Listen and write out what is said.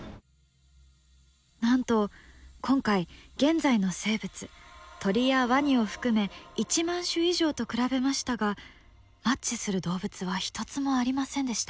なんと今回現在の生物鳥やワニを含め１万種以上と比べましたがマッチする動物は一つもありませんでした。